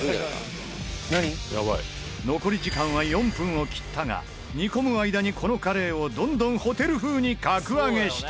残り時間は４分を切ったが煮込む間にこのカレーをどんどんホテル風に格上げしていく。